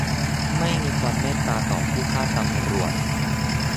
ไม่มีความเมตตาต่อผู้ฆ่าตำรวจ !